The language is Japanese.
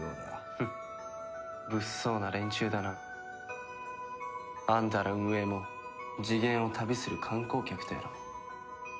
フッ物騒な連中だな。あんたら運営も次元を旅する観光客とやらも。